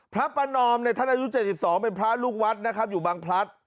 พระประนอมเนี่ยท่านอายุ๗๒เป็นพระลูกวัดนะครับอยู่บางพลัด